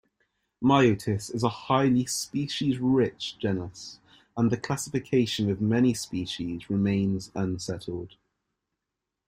"Myotis" is a highly species-rich genus, and the classification of many species remains unsettled.